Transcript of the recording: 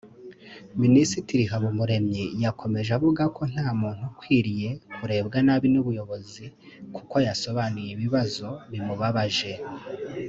Minisitiri Habumuremyi yakomeje avuga ko nta muntu ukwiriye kurebwa nabi n’ubuyobozi kuko yasobanuye ibibazo bimubabaje